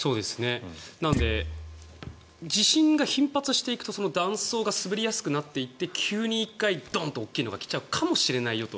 なので地震が頻発していくとその断層が滑りやすくなっていって急に１回ドンと大きいのが来ちゃうかもしれないよと。